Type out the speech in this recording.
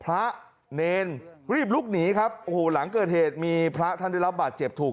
พระเนรรีบลุกหนีครับโอ้โหหลังเกิดเหตุมีพระท่านได้รับบาดเจ็บถูก